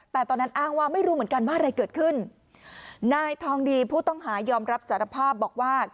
แต่ตอนนั้นอ้างว่าไม่รู้เหมือนกันว่าอะไรเกิดขึ้นนายทองดีผู้ต้องหายอมรับสารภาพบอกว่า